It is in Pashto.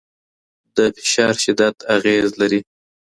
د فشار شدت اغېزه لري.